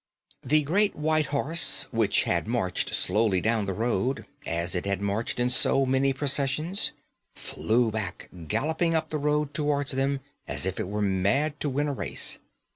"The great white horse which had marched slowly down the road, as it had marched in so many processions, flew back, galloping up the road towards them as if it were mad to win a race.